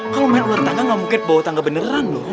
kalau main ular tangga nggak mungkin bawa tangga beneran lho